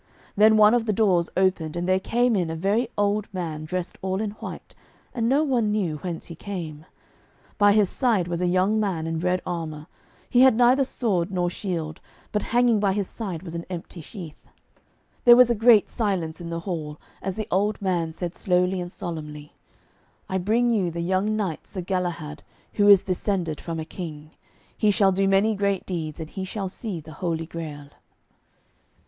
Then one of the doors opened, and there came in a very old man dressed all in white, and no one knew whence he came. By his side was a young man in red armour. He had neither sword nor shield, but hanging by his side was an empty sheath. There was a great silence in the hall as the old man said slowly and solemnly, 'I bring you the young knight Sir Galahad, who is descended from a king. He shall do many great deeds, and he shall see the Holy Grail.'